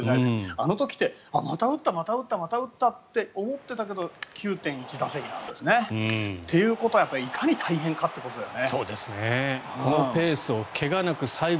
あの時ってまた打った、また打ったって思っていたけど９．１打席なんですね。ということはいかに大変かということだよね。